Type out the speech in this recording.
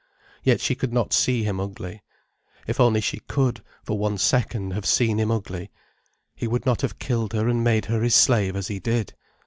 Yet she could not see him ugly. If only she could, for one second, have seen him ugly, he would not have killed her and made her his slave as he did.